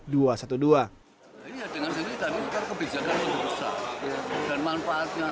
dengan sikap ini kebijakan untuk perusahaan dan manfaatnya